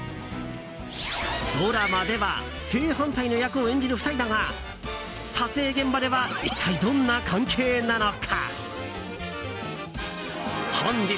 ドラマでは正反対の役を演じる２人だが撮影現場では一体どんな関係なのか？